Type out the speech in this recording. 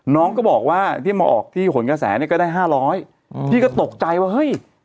น้องก็บอกว่าที่มาออกที่หนกระแสเนี่ยก็ได้๕๐๐พี่ก็ตกใจว่าเฮ้ย